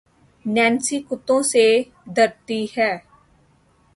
Nancy کتّوں سے درتی ہے